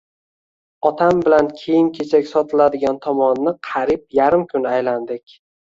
Otam bilan kiyim-kechak sotiladigan tomonni qariyb yarim kun aylandik.